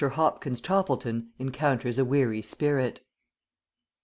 HOPKINS TOPPLETON ENCOUNTERS A WEARY SPIRIT.